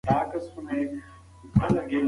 که څارنه دوام ونه کړي، خطر زیاتېږي.